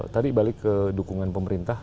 tadi balik ke dukungan pemerintah